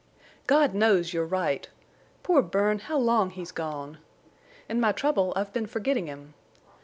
"God knows you're right!... Poor Bern, how long he's gone! In my trouble I've been forgetting him.